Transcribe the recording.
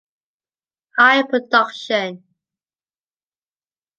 High production.